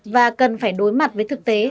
và cần phải đối mặt với thực tế